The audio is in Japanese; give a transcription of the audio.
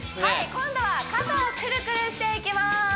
はい今度は肩をくるくるしていきます